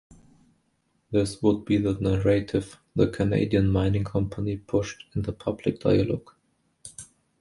This would be the "narrative" the Canadian mining company pushed in the public dialogue.